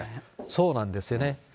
そうなんですよね。